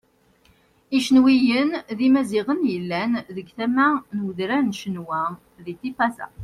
Icenwiyen d Imaziɣen yellan deg tama n udran n Cenwa di Tipaza.